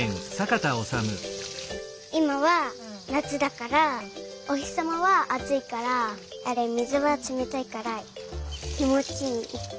いまはなつだからおひさまはあついから水がつめたいからきもちいい。